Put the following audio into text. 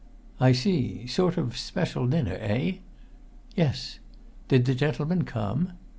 "I see. Sort of special dinner, eh?" "Yes." "Did the gentlemen come?"